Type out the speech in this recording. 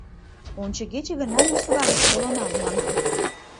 — Ончыгече гына Москва гыч толынам, — манам.